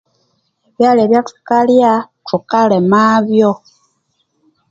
Ebyalya ebyuthukalya thukalima byo